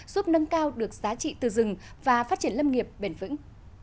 giúp nâng cao được giá trị từ rừng và phát triển lâm nghiệp bền vững